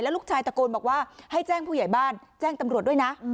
ลูกชายตะโกนบอกว่าให้แจ้งผู้ใหญ่บ้านแจ้งตำรวจด้วยนะ